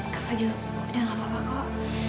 kak fadil udah gak apa apa kok